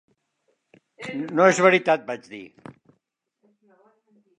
No és veritat, vaig dir.